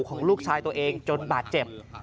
ของลูกชายตัวเองจนบาดเจ็บ